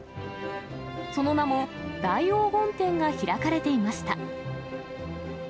その名も、大黄金展が開かれていました。